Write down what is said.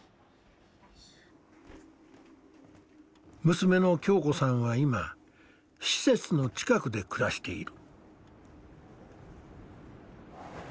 娘の恭子さんは今施設の近くで暮らしている。